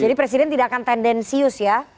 jadi presiden tidak akan tendensius ya